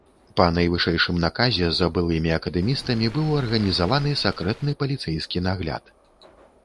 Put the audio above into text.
Па найвышэйшым наказе за былымі акадэмістамі быў арганізаваны сакрэтны паліцэйскі нагляд.